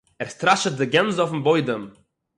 ער סטראַשעט די גענדז אויפן בוידעם.